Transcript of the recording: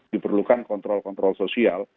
diperlukan kontrol kontrol sosial